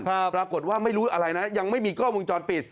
ปรากฏว่าไม่รู้อะไรนะยังไม่มีกล้องวงจรปิด